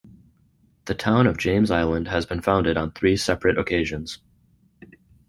The town of James Island has been founded on three separate occasions.